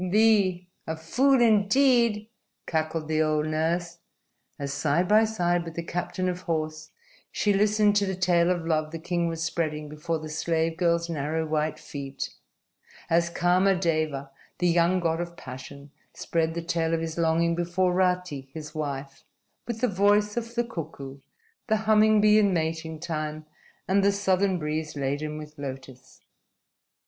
"Thee! A fool indeed!" cackled the old nurse as, side by side with the captain of horse, she listened to the tale of love the king was spreading before the slave girl's narrow, white feet, as Kama Deva, the young God of Passion, spread the tale of his longing before Rati, his wife, with the voice of the cuckoo, the humming bee in mating time, and the southern breeze laden with lotus.